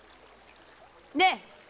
ねえ！